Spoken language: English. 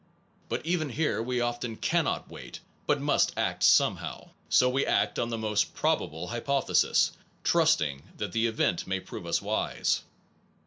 But even here we often cannot wait but must act, somehow; so we act on the most probable hypothesis, trusting that the event may prove us wise.